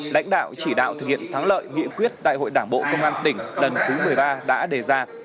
lãnh đạo chỉ đạo thực hiện thắng lợi nghị quyết đại hội đảng bộ công an tỉnh lần thứ một mươi ba đã đề ra